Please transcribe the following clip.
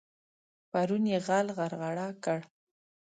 پرون يې غل غرغړه کړ.